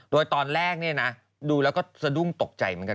โดยตอนแรกนี่นะดูแล้วก็สดุ้งตกใจมัน